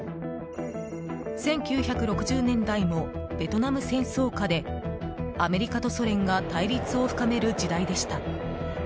１９６０年代もベトナム戦争下でアメリカとソ連が対立を深める時代でした。